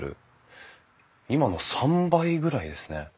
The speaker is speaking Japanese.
今の３倍ぐらいですね。